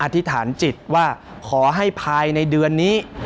ธิษฐานจิตว่าขอให้ภายในเดือนนี้